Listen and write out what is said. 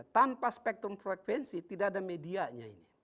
tanpa spektrum frekuensi tidak ada medianya ini